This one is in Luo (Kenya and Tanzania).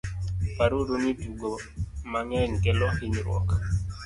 par uru ni tugo mang'eny kelo hinyruok